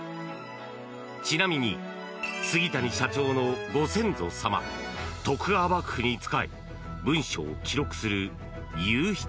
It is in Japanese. ちなみに杉谷社長のご先祖様徳川幕府に仕え文書を記録する祐筆